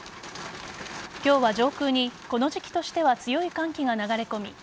今日は上空にこの時期としては強い寒気が流れ込み